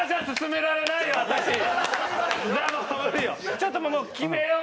ちょっともう決めよう。